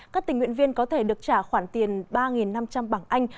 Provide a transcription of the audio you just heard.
các tình nguyện viên có thể được trả khoản tiền ba năm trăm linh bảng anh